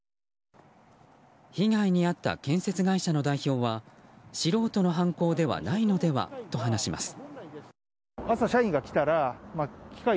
被害に遭った建設会社の代表は素人の犯行ではないのではと話します。